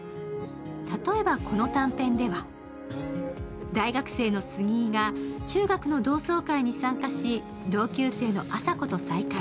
例えばこの短編では、大学生の杉井が、中学の同窓会に参加し、同級生の亜沙子と再会。